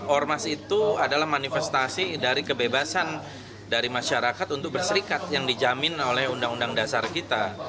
ormas itu adalah manifestasi dari kebebasan dari masyarakat untuk berserikat yang dijamin oleh undang undang dasar kita